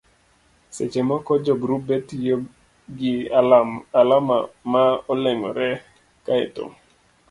seche moko jogrube tiyo gi alama ma olengore kae to